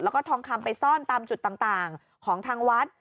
แล้วก็ทองคำไปซ่อนตามจุดต่างของทางวัด